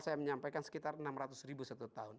saya menyampaikan sekitar enam ratus ribu satu tahun